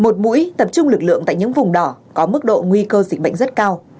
một mũi tập trung lực lượng tại những vùng đỏ có mức độ nguy cơ dịch bệnh rất cao